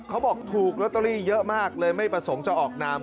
ถูกลอตเตอรี่เยอะมากเลยไม่ประสงค์จะออกนาม